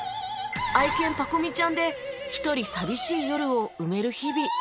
愛犬パコ美ちゃんで一人寂しい夜を埋める日々